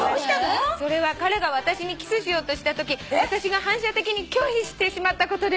「それは彼が私にキスしようとしたとき私が反射的に拒否してしまったことです」